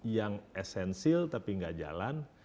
yang esensil tapi gak jalan